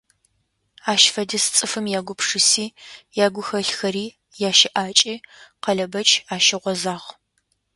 Ащ фэдиз цӀыфым ягупшыси, ягухэлъхэри, ящыӀакӀи Къалэбэч ащыгъозагъ.